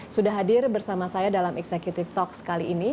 sudah hadir bersama saya dalam executive talks kali ini